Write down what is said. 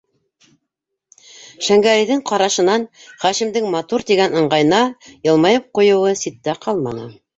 - Шәңгәрәйҙең ҡарашынан Хашимдың «матур» тигән ыңғайына йылмайып ҡуйыуы ситтә ҡалманы.